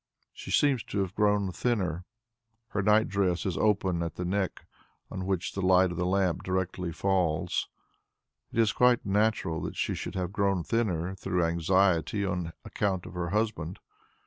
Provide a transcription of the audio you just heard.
She seems to him to have grown thinner. Her nightdress is open at her neck, on which the light of the lamp directly falls. It is quite natural that she should have grown thinner through anxiety on account of her husband.